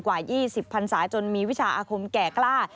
กว่า๒๐พันศาจนมีวิชาอาคมแก่กล้า